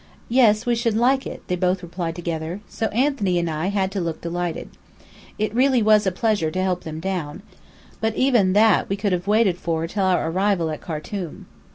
"Yes, we should like it," they both replied together: so Anthony and I had to look delighted. It really was a pleasure to help them down: but even that we could have waited for till our arrival at Khartum.